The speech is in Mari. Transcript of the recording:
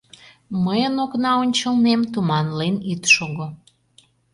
Мыйын окна ончылнем туманлен ит шого.